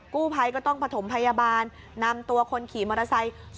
กู้ภัยก็ต้องผสมพยาบาลนำตัวคนขี่มอเตอร์ไซค์